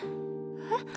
えっ？